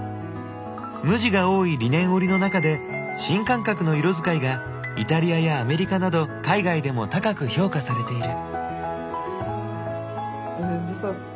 無地が多いリネン織りの中で新感覚の色づかいがイタリアやアメリカなど海外でも高く評価されている。